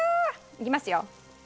いきますよ。